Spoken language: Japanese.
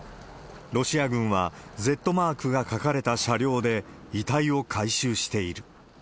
ロシア軍はＺマークが書かれた車両で、遺体を回収している。